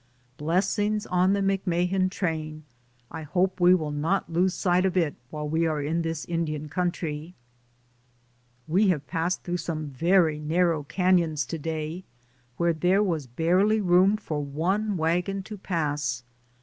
Blessings on the McMahan train ; I hope we will not lose sight of it while we are in this Indian country. We have passed through some very nar row canons to day, where there was barely room for one wagon to pass.